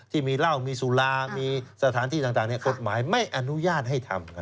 ที่มีเหล้ามีสุรามีสถานที่ต่างกฎหมายไม่อนุญาตให้ทำ